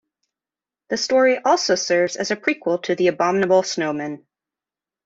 The story also serves as a prequel to "The Abominable Snowmen".